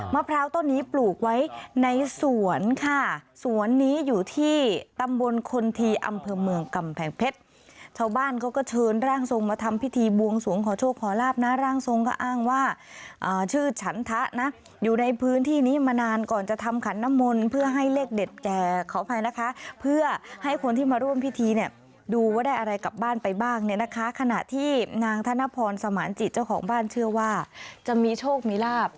มะพร้าวต้นนี้ปลูกไว้ในสวนค่ะสวนนี้อยู่ที่ตำบลคนทีอำเภอเมืองกำแผงเพชรเช้าบ้านเขาก็เชิญร่างทรงมาทำพิธีบวงสูงขอโชคขอลาภนะร่างทรงก็อ้างว่าชื่อฉันทะนะอยู่ในพื้นที่นี้มานานก่อนจะทำขันนมลเพื่อให้เล็กเด็ดแก่ขออภัยนะคะเพื่อให้คนที่มาร่วมพิธีเนี่ยดูว่าได้อะไรกลับบ้านไปบ้างเนี่ยนะคะขณ